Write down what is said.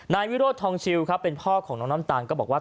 นายวิโรธทองชิวครับเป็นพ่อของน้องน้ำตาลก็บอกว่า